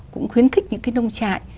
cũng khuyến khích những cái nông trại